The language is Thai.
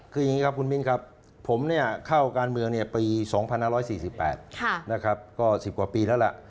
คืออย่างนี้ครับคุณมิ้นครับผมเข้าการเมืองปี๒๕๔๘นะครับก็๑๐กว่าปีแล้วล่ะ